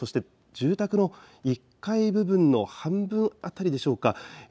住宅の１階部分の半分辺りでしょうか。